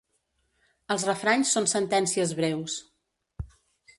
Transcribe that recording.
Els refranys són sentències breus.